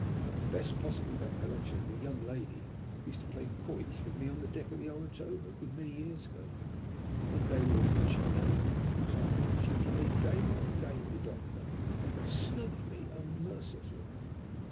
I have the best possible recollection of a young lady who used to play quoits with me on the deck of the Orotava a good many years ago. One day we were approaching Naples at the time she played game after game with the doctor, and snubbed me unmercifully."